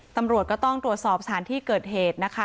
ตำรวจก็ต้องตรวจสอบสถานที่เกิดเหตุนะคะ